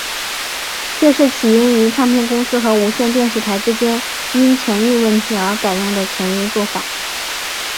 这是起因于唱片公司和无线电视台之间因权益问题而改用的权宜作法。